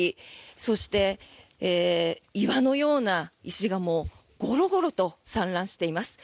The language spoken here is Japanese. そして、岩のような石がゴロゴロと散乱しています。